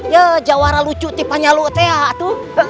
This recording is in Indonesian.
ya jawara lucu tipanya lu atu